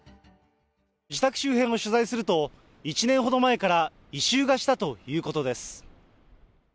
自宅周辺を取材すると、１年ほど前から異臭がしたということです。